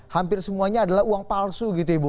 hampir semuanya adalah uang palsu gitu ibu